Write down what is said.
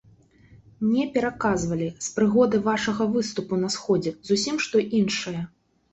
Мне пераказвалі, з прыгоды вашага выступу на сходзе, зусім што іншае.